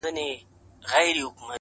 راسه قباله يې درله در کړمه-